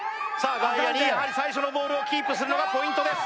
外野にやはり最初のボールをキープするのがポイントです